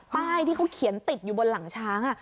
ป้ายที่เขาเขียนติดอยู่บนหลังช้าง